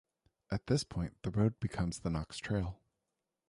At this point the road becomes the Knox Trail.